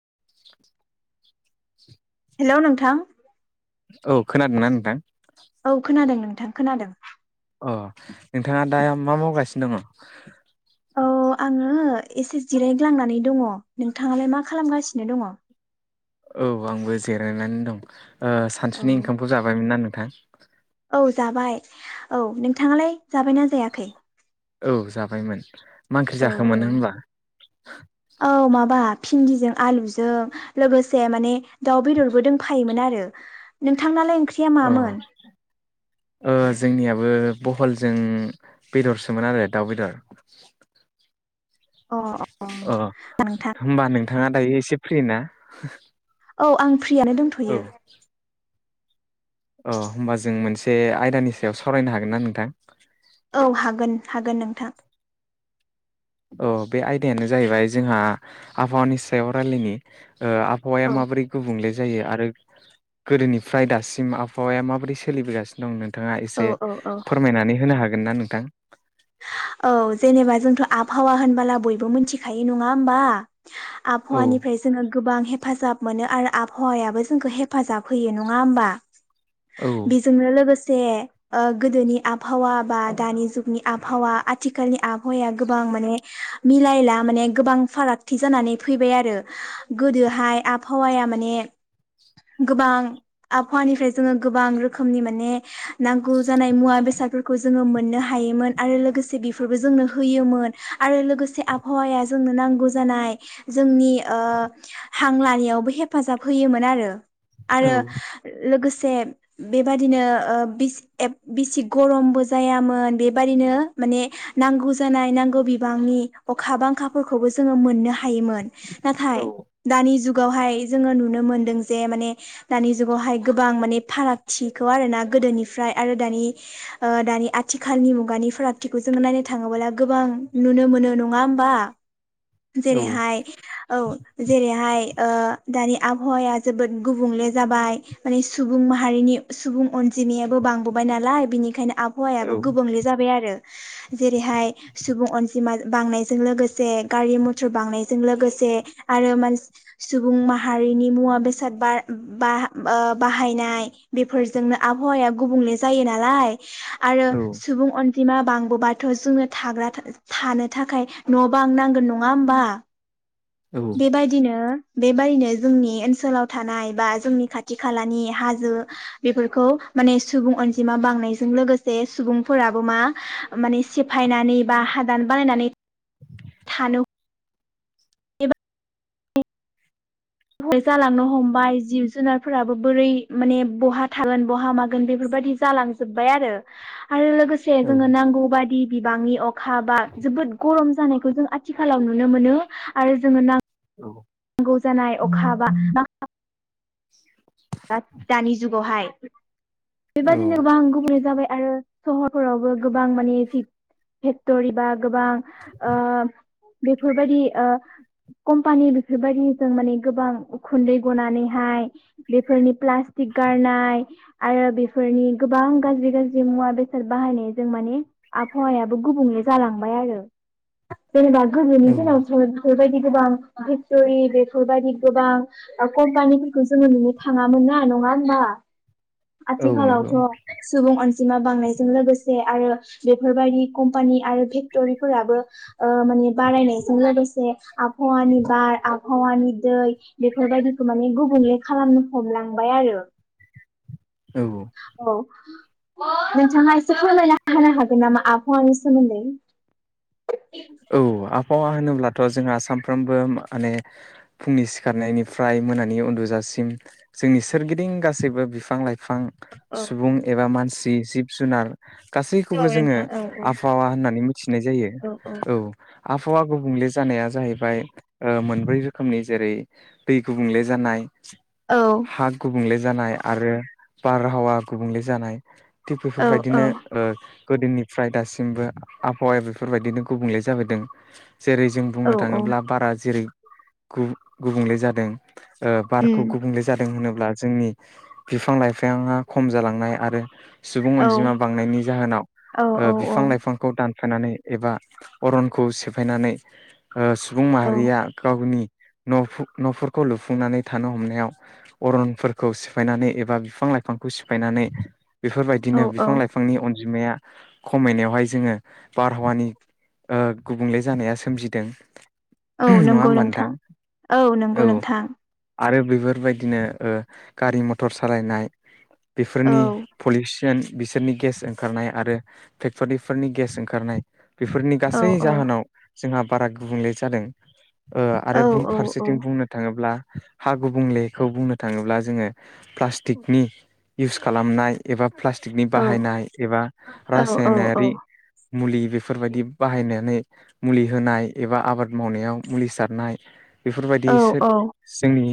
[inaudible] Hello नोंथां । औ खोनादोंना नोंथां? खोनादों नोंथां खोनादों । अ नोंथाङा दा मा मावगासिनो दङ? औ आङो एसे जिरायग्लांनानै दङ नोंथाङालाय मा खालामगासिनो दङ? औ आंबो जेरायनानै दं । ओ औ सानसुनि ओंखामखौ जाबायमोनना नों थां? औ जाबाय औ नोंथाङालाय जाबायना जायाखै? औ जाबायमोन । मा ओंख्रि औ जाखो औ मोन होमबा? औ माबा भिन्दिजों आलुजों लोगोसे माने दाउ बेदरबो दंफायोमोन आरो नोंथांनालाय ओं ओंख्रिया अ मामोन? ओ जोंनियाबो बहलजों बेदरसोमोन आरो दाउ बेदर अ अ होमबा नोंथाङा दायो एसे फ्रि ना? औ आं फ्रिआनो औ दोनथयो । अ होमबा जों मोनसे आयदानि सायाव सावरायनो हागोन ना नोंथां? औ हागोन हागोन नोंथां। औ बे आयदायानो जाहैबाय जोंहा आबहावानि सायाव रायलायनि। ओ औ आबहावाया माबोरै गुबुंले जायो आरो गोदोनिफ्राय दासिम आबहावाया माबोरै सोलिबोगासिनोदं नों नोंथाङा औ एसे औ औ फोरमायनानै होनो हागोनना नोंथां? औ जेनेबा जोंथ' आबहावा होनबोला बयबो मिथिखायो नङा होमबा? औ आबहावानिफ्राय जोङो गोबां हेफाजाब मोनो आरो आबहावायाबो जोंखो हेफाजाबहोयो नङा होमबा? औ बेजोंनो लोगोस दे ओ गोदोनि आबहावा बा दानि जुगनि आबहावा आथिखालनि आबहावाया गोबां माने मिलायला माने गोबां फारागथि जानानै फैबाय आरो गोदोहाय आबहावाया माने गोबां आबहावानिफ्राय जोङो गोबां रोखोमनि माने नांगौ जानाय मुवा बेसादफोरखौ जोङो मोननो हायोमोन आरो लोगोसे बेफोरबो जोंनो होयोमोन आरो लोगोसे आबहावाया जोंनो नांगौ जानाय जोंनि ओ हां लानायावबो हेफाजाब होयोमोन आरो। औ आरो लोगोस सेन बेबादिनो ओ बिस एब बिसि गरमबो जायामोन बेबादिनो माने नांगौ जानाय नांगौ बिबांनि अखा बांखाफोरखौबो जोङो मोननो हा हखयोमोन नाथाय औ दानि जुग जुगावहाय जोङो नुनो मोनदों जे माने दानि जुगावहाय गोबां माने फारागथिखौ आरोना गोदोनिफ्राय आरो दानि ओ दानि आथिखालनि मुगानि फाराग थिखौ जोङो नायनो थाङोबोला गोबां नुनो मोनो नङा होमबा? औ जेरैहाय औ जेरैहाय। ओ दानि आबहावाया जोबोद गुबुंले जाबाय मानि‌ सुबुं माहारिनि सुबुं अनजिमायाबो बांबोबाय नालाय बिनिखायनो औ आबहावायाबो गुबुंले जाबाय आरो। जेरैहाय सुबुं अनजिमा बांनायजों लोगोसे गारि मथ'र बांनायजों लोगोसे आरो मानसि सुबुं माहारिनि मुवा-बेसाद बा बा ओ बाहायनाय बेफोरजोंनो आबहावाया गुबुंले जायो नालाय आरो औ सुबुं अन जिमा बांबोबाथ जोंनो थाग्रा थानो थाखाय न'-बां नांगोन नङा होनबा? बे बायदिनो बेबादिनो जोंनि ओनसोलाव थानाय बा जोंनि खाथि-खालानि हाजो बेफोरखौ माने सुबुं अनजिमा बांनायजों लोगोसे सुबुंफोराबो मा माने सेफायनानै बा हादान बानायनानै थानो बेहाय जालांनो हमबाय जिब-जुनारफोराबो बोरै माने बहा थागोन बहा मागोन बेफोरबायदि जालांजोबबाय आरो। आरो लोगोसे औ जोङो नांगौ बादि बिबांनि अखा बा जोबोद गरम जानायखौ जों आथिखालाव नुनो मोनो आरो जोङो नां औ। गौ जानाय अखा बा बा [inaudible] औ बेबादिनो गोबां गुबुंले जाबाय। आरो सहरफोरावबो गोबां मानि फिग फेखतरि बा गोबां ओ। बेफोरबादि ओ कम्पानि बेफोरबायदिजों माने गोबां उखुन्दै गनानैहाय। बेफोरनि प्लासटिक गारनाय आरो बेफोरनि गोबां गाज्रि गाज्रि मुवा बेसाद बाहायनायजों माने आबहावायाबो गुबुंले जालांबाय आरो जेनेबा गोदोनि औ दिनावथ बेफोबायदि गोबां पेक्ट'रि बेफोरबायदि गोबां ओ कम्पानिफोरखौ जोङो नु थाङामोन ना नङा होनबा? औ नंगौ आथिखालावथ सुबुं अनजि अनजिमा बांनायजों लोगोसे आरो बेफोरबायदि कम्पानि आरो फेक्ट'रिफोराबो ओ माने बारायनायजों लोगोसे आबहावानि बार आबहावानि दै बेफोरबायदिखौ माने गुबुंले खालामनो। हमलांबाय आरो औ [unintelligible] नोंथाङा एसे फोरमायना होनो हागोन नामा आबहावानि सोमोन्दै? औ आब हावा होनोब्लाथ जोंहा सानफ्रोमबो माने फुंनि सिखारनायनिफ्राय मोनानि उन्दुजासिम जोंनि सोरगिदिं गासैबो बिफां लाइफां औ सुबुं एबा मानसि। जिब जुनार गासैखौबो औ जोङो नोंथां औ औ आबहावा होननानै थिनाय जायो। औ आबहावा गुबुंले जानाया जाहैबाय ओ मोनब्रै रोखोमनि जेरै दै गुबुंले जानाय हा गुबुंंले जानाय आरो बारहावा गुबुंले जानाय। थिग औ बेफोरबायदिनो ओ गोदोनिफ्राय दासिमबो आबहावाया बेफोरबादिनो गु बुंले जाबोदों। जेरै जों औ बुंनो औ थाङोब्ला बारा जेरै गु-गुबुंले जादों। ओ बारखौ उम गुबुंले जादों। होनोब्ला जोंनि बिफां लाइफाङा खम जालांनाय आरो सुबुं औ अनजिमा बांनायनि जाहोनाव औ ओ औ बिफां लाइफांखौ दान सोनानै एबा अरनखौ सेफायनानै ओ सुबुं औ माहारिया गावनि न'फोर न'फोरखौ लुफुंनानै थानो हमनायाव अरनफोरखौ सिफायनानै एबा बिफां लाइफांखौ सिफायनानै औ बेफोरबायदिनो औ बिफां लाइफांनि जिमाया खमायनायावहाय जोङो बारहावानि ओ गुबुंले जानाया सोमजिदों। औ नङा नंगौ होमबा नोंथां औ नंगौ नोंथां। आरो बेफोरबायदिनो ओ गारि मथर सालायनाय औ बेफोरनि पुलिस बिसोरनि गेस ओंखारनाय आरो फेक्ट'रिफोरनि गेस ओंखारनाय। बेफोरनि औ गासै औ जाहोनाव जोंहा बारा गुबुंले जादों। ओ औ आरो बुं औ फारसेथिं बुंनो थाङोब्ला हा गुबुंलेखौ बुंनो थाङोब्ला जोङो प्लास्टिकनि इउस खालामनाय एबा प्लास्टिकनि औ बाहायनाय एबा औ रासायनारि मुलिबो। बेफोरबायदि बाहायनानै मुलि होनाय एबा आबाद मावनायाव मुलि सारनाय औ बेफोरबायदिसो औ जोंनि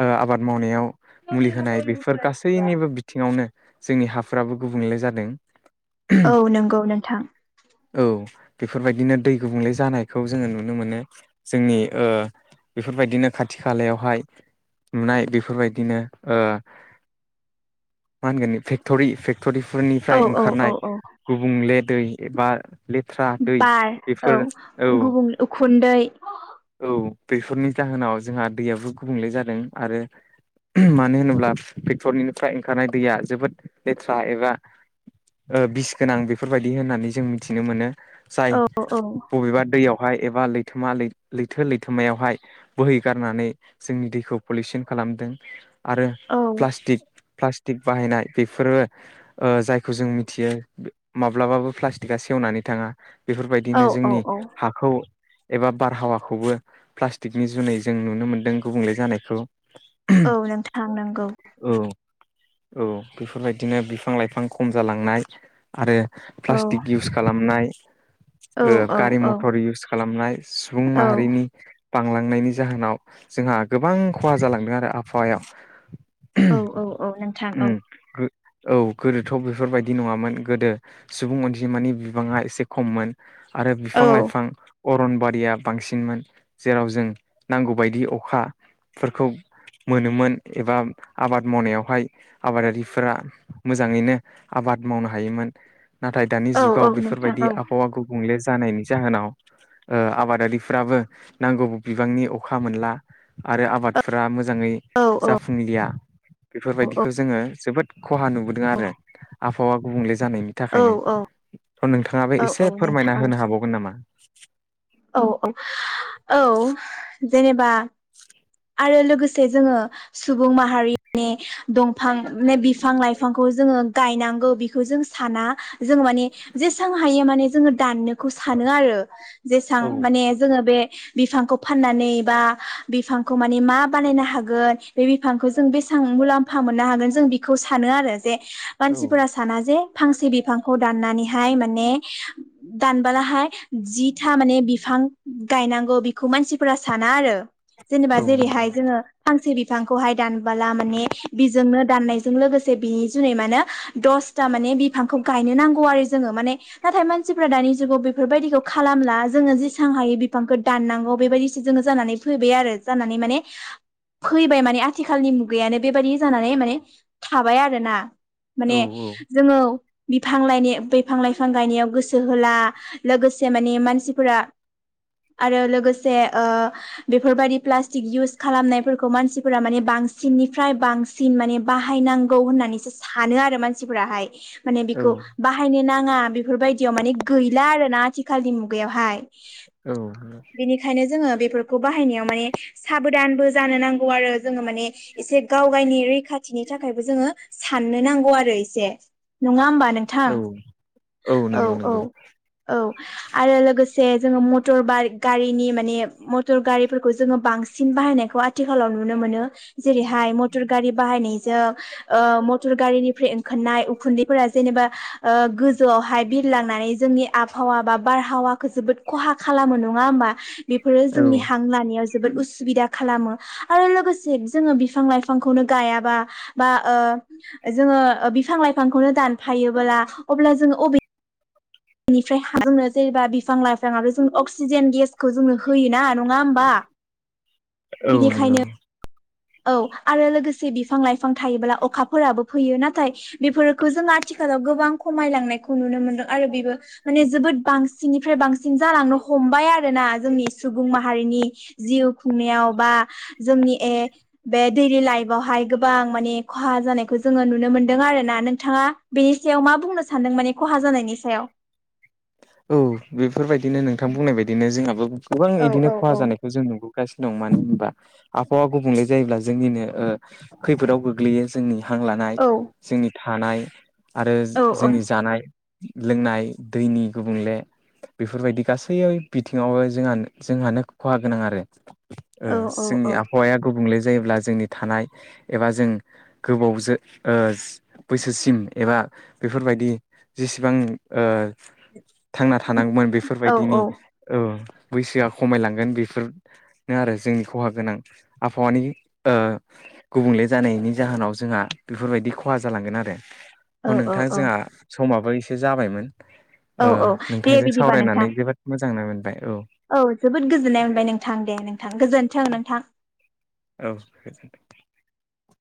ओ आबाद मावनायाव मुलि होनाय बेफोर गासैनिबो बिथिङावनो जोंनि हाफोराबो गुबुंले जादों। औ नंगौ नोंथां। औ बेफोरबायदिनो दै गुबुंले जानायखौ जोङो नुनो मोनो जोंनि ओ बेफोरबायदिनो खाथि खालायावहाय नुनाय बेफोरबायदिनो ओ मा होनगोन फेक्ट'रि औ पेक्टरिफोरनिफ्राय औ औ ओंखारनाय औ गुबुंले। दै बा। बार औ औ गुबुं उखुन्दै औ बेफोरनि जाहोनाव जोंहा दैयाबो गुबुंले जादों आरो मानो होनोब्ला फेक्ट'रिनिफ्राय ओंखारनाय दैया जोबोद लेथ्रा एबा ओ बिस गोनां बेफोरबायदि होननानै जों मिथि मिथिनो मोनो। जाय औ औ बबेबा दैयाव एबा लथा लैथो लैथोमायावहाय बोहै गारनानै जोंनि दैखौ पलिउसन खालामदों। आरो प्लास्टिक टिक बाहायनाय बेफोरो जायखौ जों मिथियो माब्लाबाबो प्लास्टिक बिखा सेवनानै थाङा औ बेफोरबायदिनो जोंनि औ हाखौ एबा बारहावाखौबो प्लास्टिकनि जुनै जों नुनो मोनदों गुबुंले जानायखौ। औ नोंथां नंगौ। औ औ बेफोरबायदिनो बिफां लाइफां खम जालांनाय आरो औ प्लास तिक इउस खालामनाय औ [inaudible] ओ औ गारि-मथर इउस खालामनाय सुबुं औ माहारिनि बांलांनायनि जाहोनाव जोंहा गोबां खहा जालांदों आरो आबहावायाव। औ औ औ नोंथां औ उम गो औ गोदोथ' बेफोरबायदि नङामोन गोदो सुबुं अनजि जिमानि बिबाङा एसे खममोन। आरो औ बिफां लाइफां अरनबारिया बांसिनमोन जेराव जों नांगौ बायदि अखा फोरखौ मोनोमोन एबा आबाद मावनायावहाय आबादारिफोरा मोजाङैनो आबाद मावनो हायोमोन नाथाय दानि औ जुगाव औ नोंथां बेफोरबायदि औ आबहावा गुबुंले जानायनि जाहोनाव ओ आबादारिफ्राबो नांगौ बिबांनि अखा मोनला आरो आबाद फोरा मोजाङै औ औ जाफुंलिया बेफोरबायदिखौ जोङो जोबोद खहा नुबोदों आरो आब अ गुबुंले ज जानायनि औ थाखायनो। थ नोंथाङाबो औ औ एसे नोंथां फोरमायना होनो हाबावगोन नामा? औ औ औ जेनेबा आरो लोगोसे जोङो सुबुं माहारि नि दंफां ने बिफां लाइफांखौ जोङो गायनांगौ बेखौ जों साना जोङो माने जेसांवहायो माने जोङो दाननोखौ सानो आरो जेसां औ माने जोङो बे बिफांखौ फाननानै बा बिफां खौ माने मा बानायनो हागोन बे बिफांखौ जों बेसां मुलाम्फा मोननो हागोन जों बेखौ सानो आरो। दे औ मानसिफोरा साना जे फांसे बिफांखौ दाननानै हाय माने दानबोलाहाय जिथा माने बिफां गायनांगौ बेखौ मानसिफोरा साना आरो जेनेबा औ जेरैहाय जोङो फांसे बिफांखौहाय दानबोला माने बिजोंनो दाननायजों लोगोसे बिनि जुनै मानो दसथा माने बिफांखौ गायनो नांगौ आरो जोङो माने नाथाय मानसिफ्रा दानि जुगाव बेफोरबायदिखौ खालामला जोङो जेसां हायो बिफांखौ दाननांगौ बेबायदिसो जोङो जानानै फैबाय आरो। जानानै माने फैबाय माने आथिखालनि मुगायानो बेबायादि जानानै माने थाबाय आरोना। माने नंगौ जोङो बिफां लाइनि बिफां लाइफां गायनायाव गोसो होला लोगोसे माने मानसिफोरा आरो लोगोसे ओ बेफोरबायदि प्लास्टिक इउस खालामनायफोरखौ मानसिफोरा माने बांसिननिफ्राय बांसिन माने बाहायनांगौ होननानैसो सानो आरो मानसिफोराहाय। माने औ बिखौ बाहायनो नाङा बे बेफोरबायदियाव माने गैला आरोना आथिखालनि मुगायावहाय। औ बेनिखायनो जोंङो बे फोरखौ बाहायनायाव माने साबदानबो जानो नांगौ आरो जोंङो माने एसे गाव गायनि रैखाथिनि थाखायबो जोंङो साननो नांगौ आरो एसे नंङा होमबा नो नोंथां औ औ औ औ आरो लोगोसे जे जोंङो मटर गारिनि माने मथर गारिफोरखौ जोंङो बांसिन बाहायनायखौ आथिखालाव नुनो मोनो जेरैहाय मटर गारि बाहायनायजों मटर गारिनिफ्राय ओंखारनाय उखुन्दैफोरा जेनेबा गोजौआवहाय बिरलांनानै जोंनि आबहावा बा बारहावाखौ जोबोद खहा खालामो नंङा होनबा? बेफोरो औ जोंनि हां लानायाव जोबोद उसुबिदा खालामो आरो लोगोसे जोंङो बिफां लाइफांखौनो गायाबा बा ओ जोंङो बिफां लाइफांखौनो दानफायोबोला अब्ला जोंङो अबेनिफ्राय जोंनो जेनेबा बिफां लाइफाङआ जों अक्सिजेन गेसखौ जोंनो होयोना नंङा होनब [inaudible] औ नंगौ औ आरो लोगोसे बिफां-लाइफां थायोब्ला अखाफोराबो फैयो नाथाय बेफोरखौ जों आथिखालाव गोबां खमायलांनायखौ नुनो मोनदों आरो बेबो माने जोबोद बांसिननिफ्राय बांसिन जालांनो हमबाय आरोना जोंनि सुबुं माहारिनि जिउ खुंनायाव बा जोंनि ए बे दैलि लाइफआवहाय गोबां माने खहा जानायखौ जोंङो नुनो मोनदों आरो ना नोंथांङा बेनि सायाव मा बुंनो सानदों माने खहा जानायनि सायाव औ बेफोरबायदिनो नोंथां बुंनाय बायदिनो जोंहाबो गोबां औ बिदिनो औ खहा औ जानायखौ जों नुबोगासिनो दं मानो होनबा आबहावा गुबुंले जायोब्ला जोंनिनो ओ खैफोदाव गोग्लैयो जोंनि हां लानाय औ जोंनि थानाय आरो औ औ जोंनि जानाय लोंनाय दैनि गुबुंले बेफोरबायदि गासै बिथिंङावबो जोंहा जोंहानो खहा गोनां आरो ओ औ औ जोंनि आबहावाया गुबुंले जायोब्ला जोंनि थानाय एबा जों गोबावजो ओ बैसोसिम एबा बेफोरबायदि जेसेबां ओ थांना थानांगौमोन औ बेफोरबायदिनि औ बैसोआ खमायलांगोन बेफोरनो आरो जोंनि खहा गोनां आबहावानि ओ गुबुंले जानायनि जाहोनाव जोंहा बेफोरबायदि खहा जालांगोन आरो औ नोंथां जोंहा समाबो एसे जाबायमोन औ ओ औ दे नोंथांजों बिदिबा नोंथां सावरायनानै जोबोद मोजां मोजां ओ औ जोबोद गोजोननाय मोनबाय नोंथां दे नोंथां गोजोन थों नोंथां औ